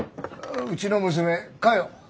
うちの娘佳代。